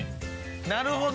なるほど。